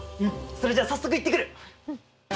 それじゃ早速行ってくる！